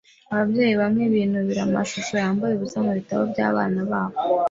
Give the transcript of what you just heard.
Ababyeyi bamwe binubira amashusho yambaye ubusa mubitabo byabana babo.